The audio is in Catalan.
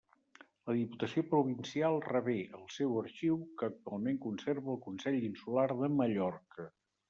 La Diputació Provincial rebé el seu arxiu, que actualment conserva el Consell Insular de Mallorca.